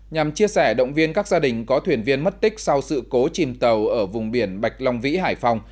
nhằm chia sẻ động viên các gia đình có thuyền viên mất tích sau sự cố chìm tàu ở vùng biển bạch long vĩ hải phòng